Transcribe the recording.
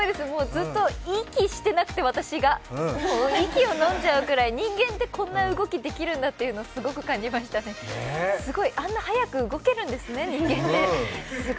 ずっと、息してなくて、私が息をのんじゃうぐらい、人間ってこんな動きできるんだってすごく感じましたね、すごいあんな早く動けるんですね、人間って。